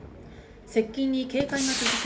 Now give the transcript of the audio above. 接近に警戒が続く